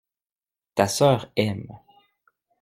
Ta sœur aime.